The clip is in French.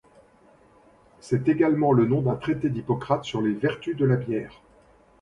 C'est également le nom d'un traité d'Hippocrate sur les vertus de la bière.